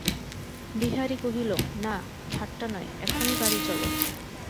বিহারী কহিল, না, ঠাট্টা নয়, এখনি বাড়ি চলো।